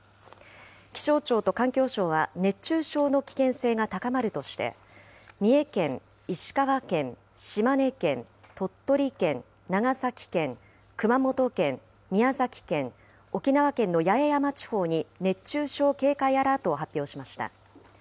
気象庁と環境省は熱中症の危険性が高まるとして、三重県、石川県、島根県、鳥取県、長崎県、熊本県、宮崎県、沖縄県の八重山地方に熱中症警戒アラートを発表しました。